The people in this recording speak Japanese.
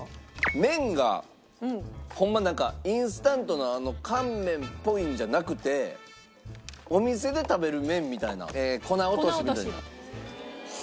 麺がホンマなんかインスタントの乾麺っぽいんじゃなくてお店で食べる麺みたいな粉落としみたいな。